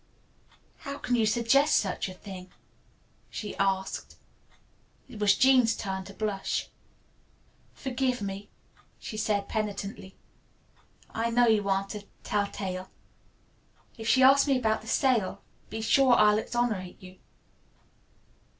"How can you suggest such a thing?" she asked. It was Jean's turn to blush. "Forgive me," she said penitently. "I know you aren't a tell tale. If she asks me about the sale, be sure I'll exonerate you."